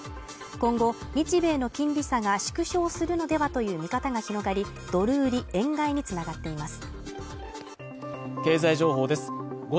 今後、日米の金利差が縮小するのではという見方が広がり、ドル売り円買いに繋がっています